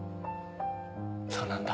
そうなんだ。